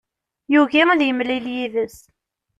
Yugi ad yemlil yid-s.